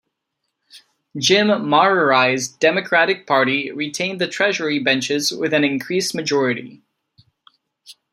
Jim Marurai's Democratic Party retained the Treasury benches with an increased majority.